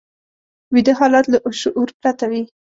ویده حالت له شعور پرته وي